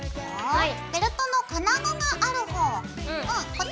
はい。